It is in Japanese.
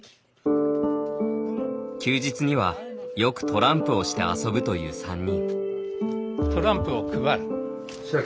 休日には、よくトランプをして遊ぶという３人。